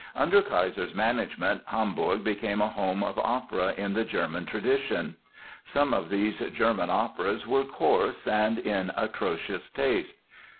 Under Keiser's management Hamburg became a home of opera in the German tradition. Some of these "German" operas were coarse and in atrocious taste.